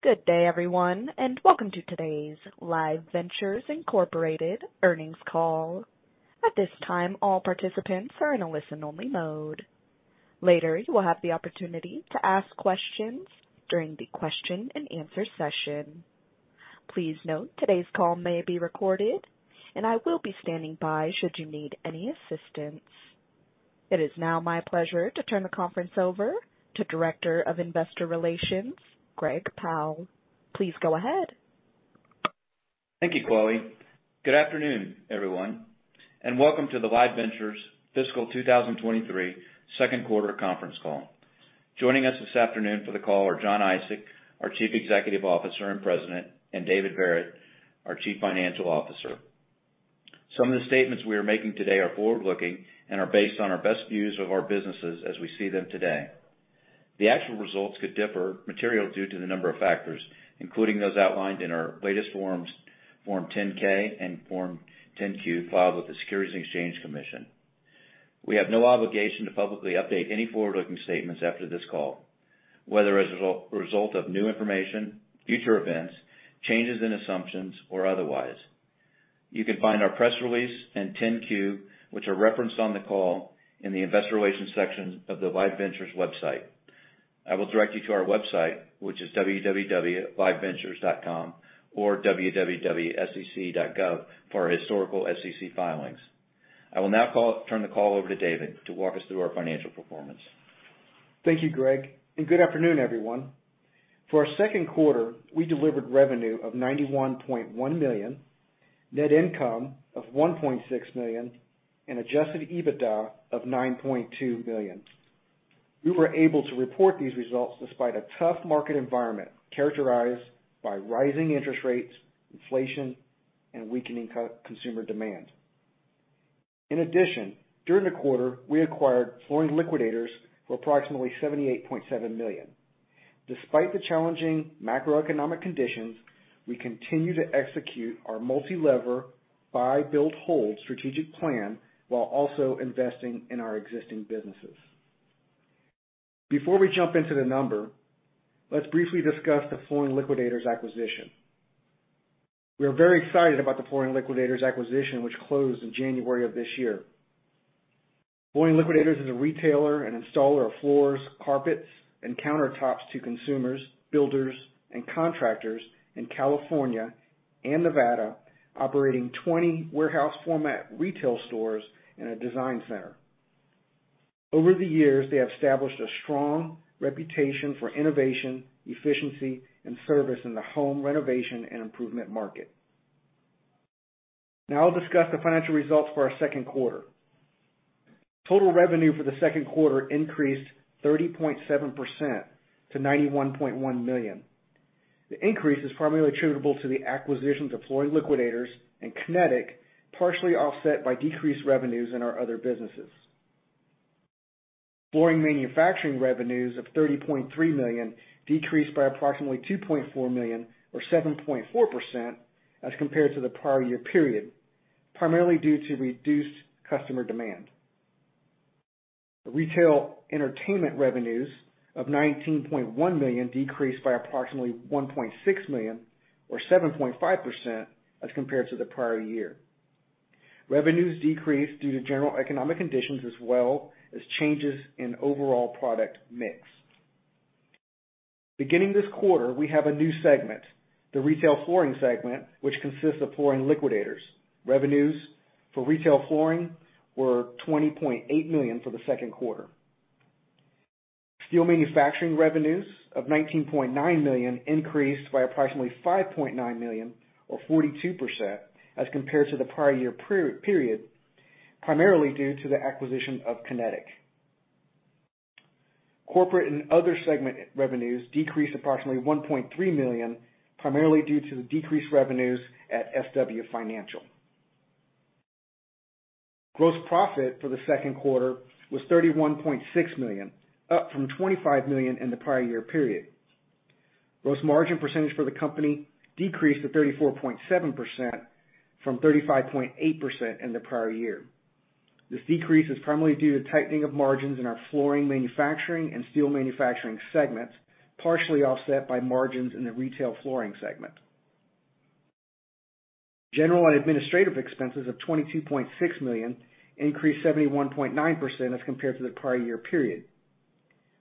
Good day, everyone, and welcome to today's Live Ventures Incorporated earnings call. At this time, all participants are in a listen-only mode. Later, you will have the opportunity to ask questions during the question-and-answer session. Please note today's call may be recorded, and I will be standing by should you need any assistance. It is now my pleasure to turn the conference over to Director of Investor Relations, Greg Powell. Please go ahead. Thank you, Chloe. Good afternoon, everyone, and welcome to the Live Ventures Fiscal 2023 Q2 conference call. Joining us this afternoon for the call are Jon Isaac, our Chief Executive Officer and President, and David Verret, our Chief Financial Officer. Some of the statements we are making today are forward-looking and are based on our best views of our businesses as we see them today. The actual results could differ materially due to the number of factors, including those outlined in our latest forms, Form 10-K and Form 10-Q filed with the Securities and Exchange Commission. We have no obligation to publicly update any forward-looking statements after this call, whether as a result of new information, future events, changes in assumptions, or otherwise. You can find our press release and 10-Q, which are referenced on the call, in the Investor Relations section of the Live Ventures website. I will direct you to our website, which is www.liveventures.com or www.sec.gov for our historical SEC filings. I will now turn the call over to David to walk us through our financial performance. Thank you, Greg. Good afternoon, everyone. For our Q2, we delivered revenue of $91.1 million, net income of $1.6 million, and adjusted EBITDA of $9.2 million. We were able to report these results despite a tough market environment characterized by rising interest rates, inflation, and weakening consumer demand. In addition, during the quarter, we acquired Flooring Liquidators for approximately $78.7 million. Despite the challenging macroeconomic conditions, we continue to execute our multi-lever, buy-build-hold strategic plan while also investing in our existing businesses. Before we jump into the number, let's briefly discuss the Flooring Liquidators acquisition. We are very excited about the Flooring Liquidators acquisition, which closed in January of this year. Flooring Liquidators is a retailer and installer of floors, carpets, and countertops to consumers, builders, and contractors in California and Nevada, operating 20 warehouse format retail stores and a design center. Over the years, they have established a strong reputation for innovation, efficiency, and service in the home renovation and improvement market. Now I'll discuss the financial results for our Q2. Total revenue for the Q2 increased 30.7% to $91.1 million. The increase is primarily attributable to the acquisition of Flooring Liquidators and Kinetic, partially offset by decreased revenues in our other businesses. Flooring manufacturing revenues of $30.3 million decreased by approximately $2.4 million or 7.4% as compared to the prior year period, primarily due to reduced customer demand. Retail entertainment revenues of $19.1 million decreased by approximately $1.6 million or 7.5% as compared to the prior year. Revenues decreased due to general economic conditions as well as changes in overall product mix. Beginning this quarter, we have a new segment, the retail flooring segment, which consists of Flooring Liquidators. Revenues for retail flooring were $20.8 million for the Q2. Steel manufacturing revenues of $19.9 million increased by approximately $5.9 million or 42% as compared to the prior year period, primarily due to the acquisition of Kinetic. Corporate and other segment revenues decreased approximately $1.3 million, primarily due to the decreased revenues at SW Financial. Gross profit for the Q2 was $31.6 million, up from $25 million in the prior year period. Gross margin percentage for the company decreased to 34.7% from 35.8% in the prior year. This decrease is primarily due to tightening of margins in our flooring manufacturing and steel manufacturing segments, partially offset by margins in the retail flooring segment. General and administrative expenses of $22.6 million increased 71.9% as compared to the prior year period.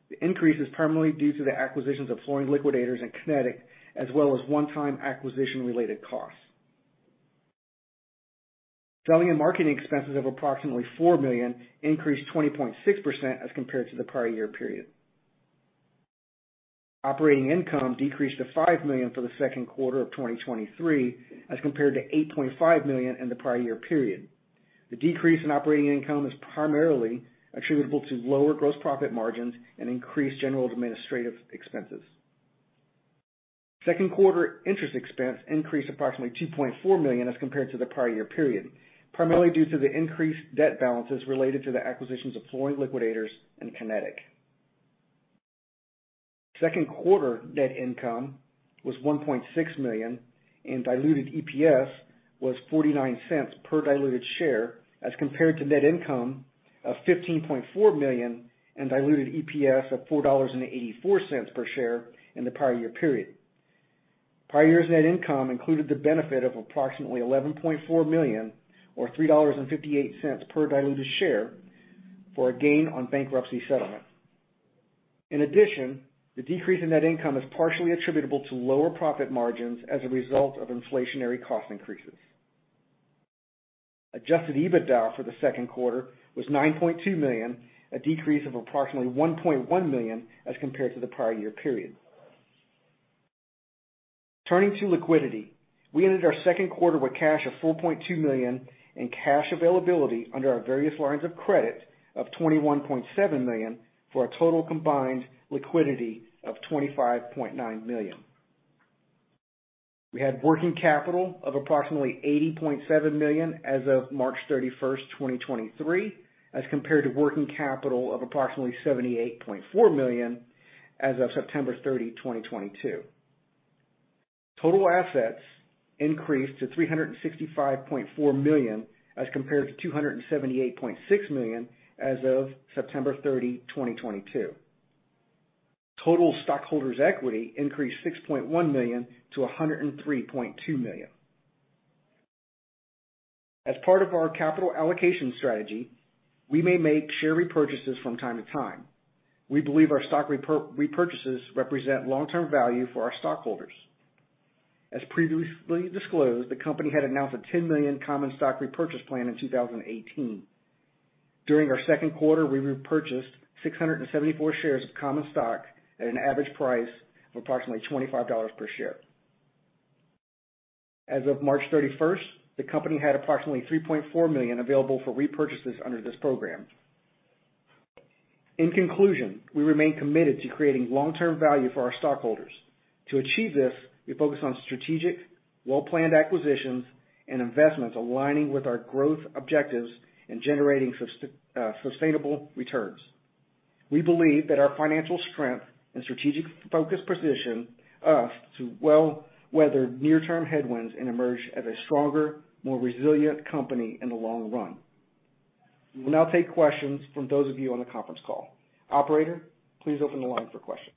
The increase is primarily due to the acquisitions of Flooring Liquidators and Kinetic, as well as one-time acquisition related costs. Selling and marketing expenses of approximately $4 million increased 20.6% as compared to the prior year period. Operating income decreased to $5 million for the Q2 of 2023 as compared to $8.5 million in the prior year period. The decrease in operating income is primarily attributable to lower gross profit margins and increased general administrative expenses. Q2 interest expense increased approximately $2.4 million as compared to the prior year period, primarily due to the increased debt balances related to the acquisitions of Flooring Liquidators and Kinetic. Q2 net income was $1.6 million, and diluted EPS was $0.49 per diluted share as compared to net income of $15.4 million and diluted EPS of $4.84 per share in the prior year period. Prior year's net income included the benefit of approximately $11.4 million, or $3.58 per diluted share, for a gain on bankruptcy settlement. In addition, the decrease in net income is partially attributable to lower profit margins as a result of inflationary cost increases. Adjusted EBITDA for the Q2 was $9.2 million, a decrease of approximately $1.1 million as compared to the prior year period. Turning to liquidity. We ended our Q2 with cash of $4.2 million and cash availability under our various lines of credit of $21.7 million for a total combined liquidity of $25.9 million. We had working capital of approximately $80.7 million as of March 31, 2023, as compared to working capital of approximately $78.4 million as of September 30, 2022. Total assets increased to $365.4 million as compared to $278.6 million as of September 30, 2022. Total stockholders' equity increased $6.1 million-$103.2 million. As part of our capital allocation strategy, we may make share repurchases from time to time. We believe our stock repurchases represent long-term value for our stockholders. As previously disclosed, the company had announced a $10 million common stock repurchase plan in 2018. During our Q2, we repurchased 674 shares of common stock at an average price of approximately $25 per share. As of March 31st, the company had approximately $3.4 million available for repurchases under this program. In conclusion, we remain committed to creating long-term value for our stockholders. To achieve this, we focus on strategic, well-planned acquisitions and investments aligning with our growth objectives and generating sustainable returns. We believe that our financial strength and strategic focus position us to well weather near-term headwinds and emerge as a stronger, more resilient company in the long run. We will now take questions from those of you on the conference call. Operator, please open the line for questions.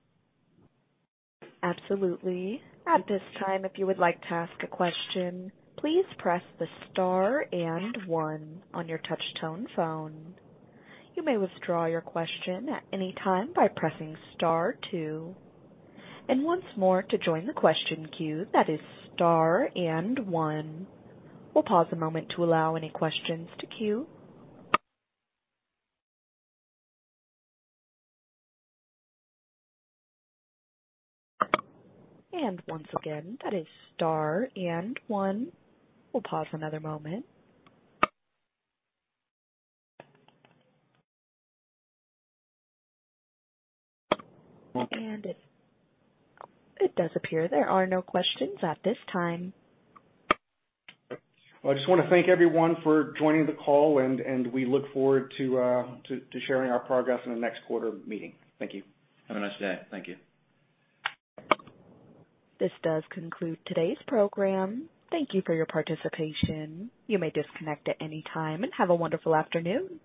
Absolutely. At this time, if you would like to ask a question, please press star one on your touchtone phone. You may withdraw your question at any time by pressing star two. Once more to join the question queue, that is star one. We'll pause a moment to allow any questions to queue. Once again, that is star one. We'll pause for another moment. It does appear there are no questions at this time. Well, I just wanna thank everyone for joining the call, and we look forward to sharing our progress in the next quarter meeting. Thank you. Have a nice day. Thank you. This does conclude today's program. Thank you for your participation. You may disconnect at any time, and have a wonderful afternoon.